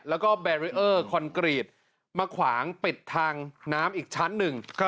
แล้วก็แบรีเออร์คอนกรีตมาขวางปิดทางน้ำอีกชั้นหนึ่ง